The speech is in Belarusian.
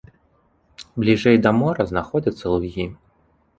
Бліжэй да мора знаходзяцца лугі.